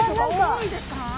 重いですか？